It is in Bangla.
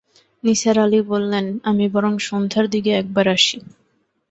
নিসার আলি বললেন, আমি বরং সন্ধ্যার দিকে একবার আসি।